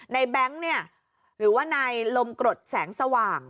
แบงค์เนี่ยหรือว่านายลมกรดแสงสว่าง